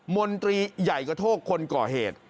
มนตรีใหญ่กระโทกคนก่อเหตุ